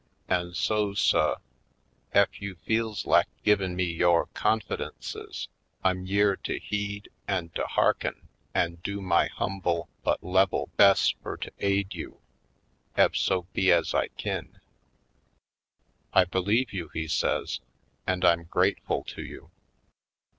*'An' so, suh, ef you feels lak givin' me yore confidences I'm yere to heed an' to hearken an' do my humble but level bes' fur to aid you, ef so be ez I kin." ^'I believe you," he says, "and I'm grate ful to you.